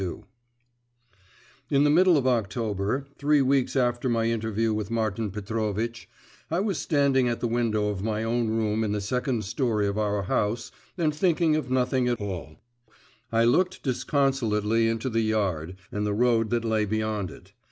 XXII In the middle of October, three weeks after my interview with Martin Petrovitch, I was standing at the window of my own room in the second storey of our house, and thinking of nothing at all, I looked disconsolately into the yard and the road that lay beyond it.